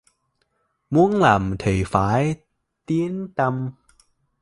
Muốn làm thì phải Tín Tâm